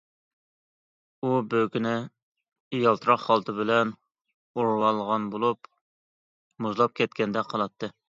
ئۇ بۆكىنى يالتىراق خالتا بىلەن ئورۇۋالغان بولۇپ، مۇزلاپ كەتكەندەك قىلاتتى.